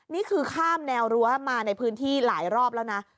นี่คือข้ามแนวรั้วมาในพื้นที่หลายรอบแล้วนะ